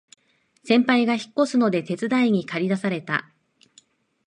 先輩が引っ越すので手伝いにかり出された